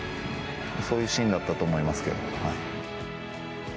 そういうシーンだったと思いますけど。